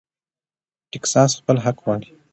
ټیکساس خپل حق غواړي.